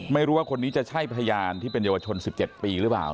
ไม่รู้ว่าคนนี้จะใช่พยานที่เป็นเยาวชน๑๗ปีหรือเปล่า